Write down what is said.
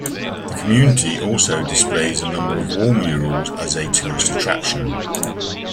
The community also displays a number of wall murals as a tourist attraction.